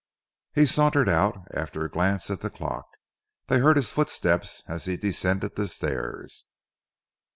He sauntered out, after a glance at the clock. They heard his footsteps as he descended the stairs.